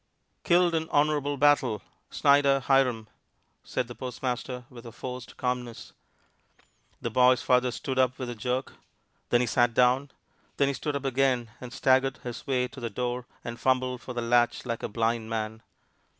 "Killed in honorable battle Snyder, Hiram," said the postmaster with a forced calmness. The boy's father stood up with a jerk. Then he sat down. Then he stood up again and staggered his way to the door and fumbled for the latch like a blind man.